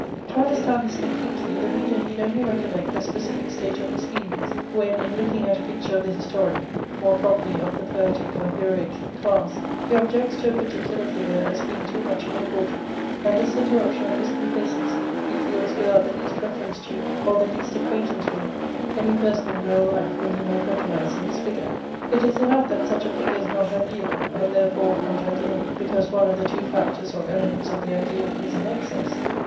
To understand this completely, the reader need only recollect the specific state of his feelings, when in looking at a picture of the historic (more properly of the poetic or heroic) class, he objects to a particular figure as being too much of a portrait; and this interruption of his complacency he feels without the least reference to, or the least acquaintance with, any person in real life whom he might recognise in this figure. It is enough that such a figure is not ideal: and therefore not ideal, because one of the two factors or elements of the ideal is in excess.